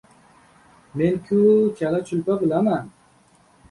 — Men-ku, chala-chulpa bilaman.